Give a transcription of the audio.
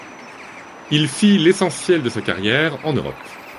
Il fit l'essentiel de sa carrière en Europe.